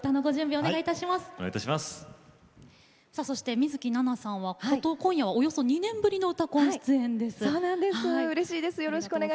そして水樹奈々さんはおよそ２年ぶりの「うたコン」出場です。